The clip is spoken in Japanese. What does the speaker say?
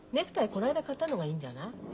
この間買ったのがいいんじゃない？